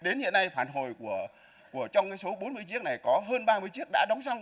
đến hiện nay phản hồi trong số bốn mươi chiếc này có hơn ba mươi chiếc đã đóng xong